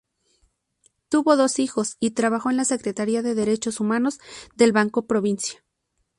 Tuvo dos hijos y trabajó en la secretaria de Derechos Humanos del Banco Provincia.